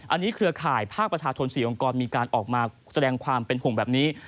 อันนี้เครือข่ายภาคประชาชน๔องค์กรมีการออกมาแสดงความเป็นห่วงแบบนี้